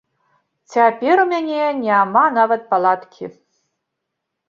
Цяпер у мяне няма нават палаткі.